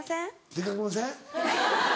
出かけません。